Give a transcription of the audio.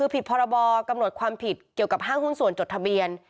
ผิดพรบกำหนดความผิดเกี่ยวกับห้างหุ้นส่วนจดทะเบียน